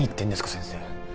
先生